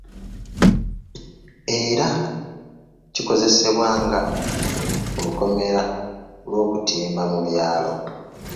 Era kikozesebwa nga olukomera lw'okutimba mu byalo.